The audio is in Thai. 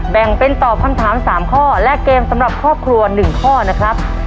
แบ่งเป็นตอบคำถาม๓ข้อและเกมสำหรับครอบครัว๑ข้อนะครับ